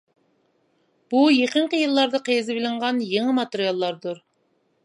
بۇ يېقىنقى يىللاردا قېزىۋېلىنغان يېڭى ماتېرىياللاردۇر.